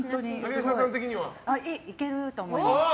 いけると思います。